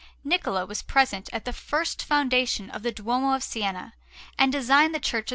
Niccola was present at the first foundation of the Duomo of Siena, and designed the Church of S.